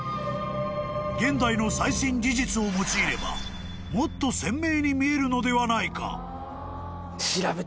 ［現代の最新技術を用いればもっと鮮明に見えるのではないか］